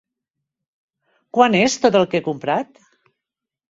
Quant és tot el que he comprat?